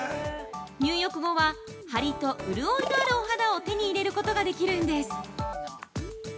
入浴後は張りと潤いのあるお肌を手に入れることができるんです。